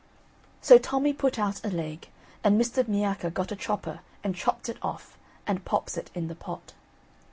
So Tommy put out a leg, and Mr. Miacca got a chopper, and chopped it off, and pops it in the pot.